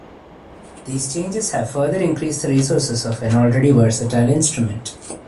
These changes have further increased the resources of an already versatile instrument.